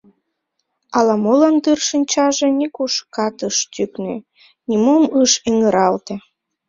Ала-молан дыр шинчаже нигушкат ыш тӱкнӧ, нимом ыш эҥыралте.